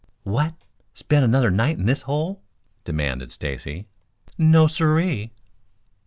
"What, spend another night in this hole?" demanded Stacy. "No, sirree."